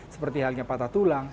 seperti halnya patah tulang